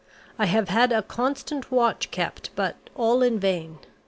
I have had a constant watch kept, but all in vain.